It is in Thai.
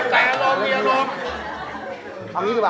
เอางี้ดีกว่ะ